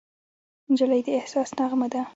نجلۍ د احساس نغمه ده.